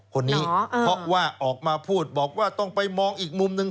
พูดว่าข้อยอกออกมาพูดบอกว่าต้องไปมองอีกมุมนึง